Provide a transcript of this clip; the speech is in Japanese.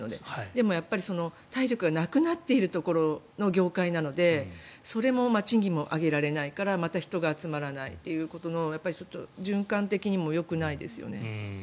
でも、体力がなくなっているところの業界なのでそれも賃金も上げられないから人が集まらないということの循環的にもよくないですよね。